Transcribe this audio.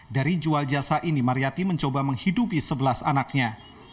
dari jual jasa ini mariyati mencoba menghidupi sebelas anaknya